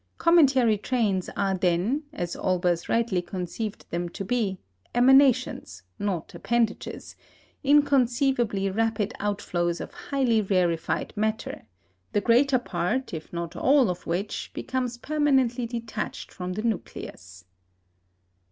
Cometary trains are then, as Olbers rightly conceived them to be, emanations, not appendages inconceivably rapid outflows of highly rarefied matter, the greater part, if not all, of which becomes permanently detached from the nucleus.